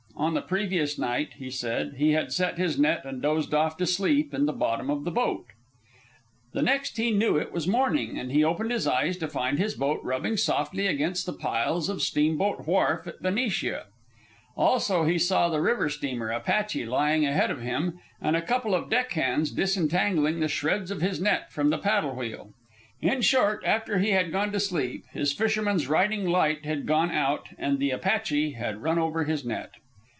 On the previous night, he said, he had set his net and dozed off to sleep in the bottom of the boat. The next he knew it was morning, and he opened his eyes to find his boat rubbing softly against the piles of Steamboat Wharf at Benicia. Also he saw the river steamer Apache lying ahead of him, and a couple of deck hands disentangling the shreds of his net from the paddle wheel. In short, after he had gone to sleep, his fisherman's riding light had gone out, and the Apache had run over his net.